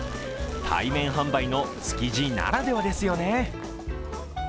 対面販売の築地ならではですよね。